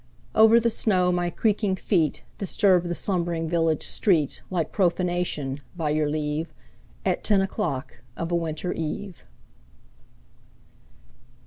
Over the snow my creaking feet Disturbed the slumbering village street Like profanation, by your leave, At ten o'clock of a winter eve.